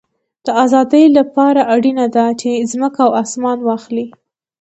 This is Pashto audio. د آزادۍ له پاره اړینه ده، چي مځکه او اسمان واخلې.